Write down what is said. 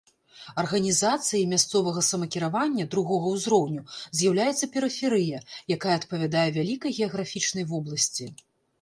Арганізацыяй мясцовага самакіравання другога ўзроўню з'яўляецца перыферыя, якая адпавядае вялікай геаграфічнай вобласці.